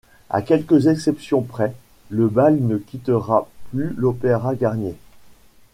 À quelques exceptions près, le Bal ne quittera plus l'Opéra Garnier.